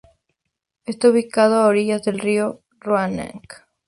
Está ubicado a orillas del río Roanoke.